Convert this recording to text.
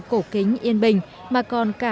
cổ kính yên bình mà còn cả